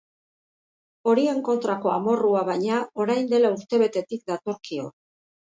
Horien kontrako amorrua, baina, orain dela urtebetetik datorkio.